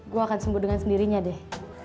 gue akan sembuh dengan sendirinya deh